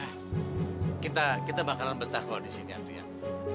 eh kita kita makanan betah kok di sini adrian